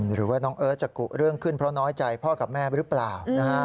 หรือว่าน้องเอิร์ทจะกุเรื่องขึ้นเพราะน้อยใจพ่อกับแม่หรือเปล่า